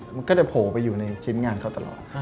มันก็จะโผล่ไปอยู่ในชิ้นงานเขาตลอด